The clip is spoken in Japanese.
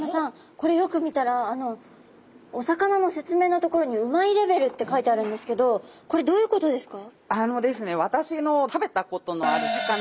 これよく見たらお魚の説明の所に「旨いレベル」って書いてあるんですけどこれどういうことですか？